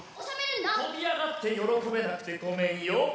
跳び上がって喜べなくてごめんよ。